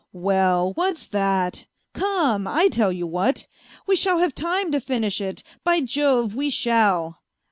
" Well, what's that ? Come, I tell you what. We shall have time to finish it, by Jove, we shall